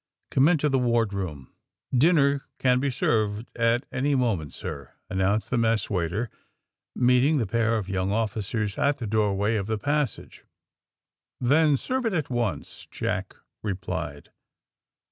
Come into the wardroom." '^Dinner can be served at any moment, sir," announced the mess waiter, meeting the pair of young officers at the doorway of the passage. Then serve it at once," Jack replied.